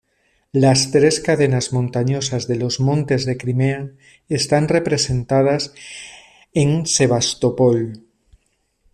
Las tres cadenas montañosas de los montes de Crimea están representadas en Sebastopol.